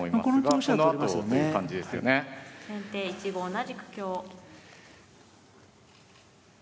先手１五同じく香。